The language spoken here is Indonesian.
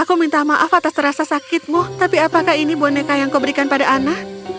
aku minta maaf atas rasa sakitmu tapi apakah ini boneka yang kau berikan pada ana